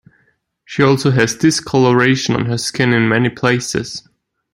She also has discoloration on her skin in many places.